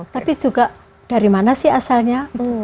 tapi juga dari mana sih asalnya